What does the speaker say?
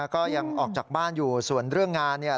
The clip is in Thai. ก็ยังออกจากบ้านอยู่ส่วนเรื่องงานเนี่ย